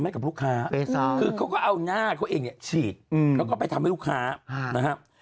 คือเขาก็เอาหน้าเขาเองเนี่ยฉีดแล้วก็ไปทำให้ลูกค้านะครับ